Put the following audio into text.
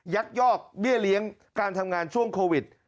ยอกเบี้ยเลี้ยงการทำงานช่วงโควิด